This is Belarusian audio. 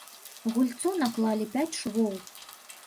Гульцу наклалі пяць швоў.